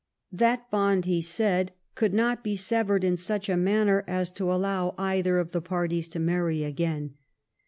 That bond, he said, could not be severed in such a manner as to allow either of the parties to marry again.